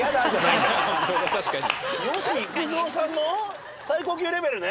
吉幾三さんの最高級レベルね。